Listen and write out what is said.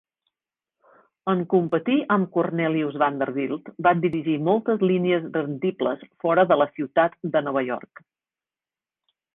En competir amb Cornelius Vanderbilt, va dirigir moltes línies rendibles fora de la ciutat de Nova York.